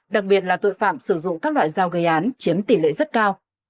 đặc biệt là tội phạm sử dụng các loại dao gây án chiếm tỷ lệ rất cao